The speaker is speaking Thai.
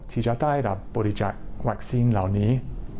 ฉีดยาใต้รับบริจาควัคซีนเหล่านี้